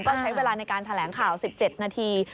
ก็ใช้เวลาในการแถลงข่าว๑๗นาที